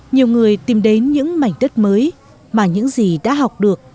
nhiều người tìm đến những mảnh đất mới mà những gì đã học được